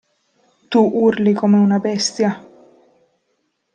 Tu urli come una bestia;.